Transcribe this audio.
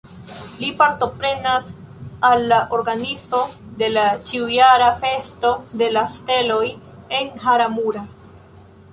Li partoprenas al la organizo de la ĉiujara Festo de la Steloj en Hara-mura.